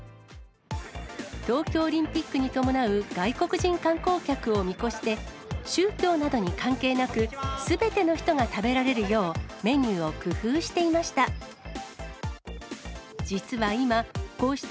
東京オリンピックに伴う外国人観光客を見越して、宗教などに関係なく、すべての人が食べられるよう、メニューを工夫していました。